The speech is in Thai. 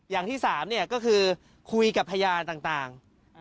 อย่างที่๓ก็คือคุยกับพยานต่าง